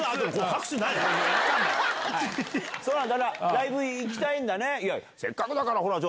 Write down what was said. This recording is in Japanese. ライブ行きたいんだね。